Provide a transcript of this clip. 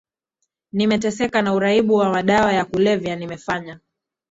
nimeteseka na uraibu wa madawa ya kulevya nimefanya